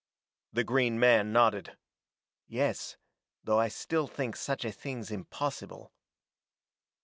The green man nodded. "Yes, though I still think such a thing's impossible."